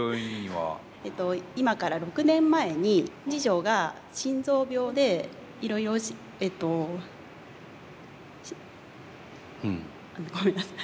今から６年前に次女が心臓病で、いろいろ、えっとごめんなさい